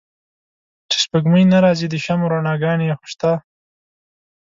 چې سپوږمۍ نه را ځي د شمعو رڼاګا نې خوشته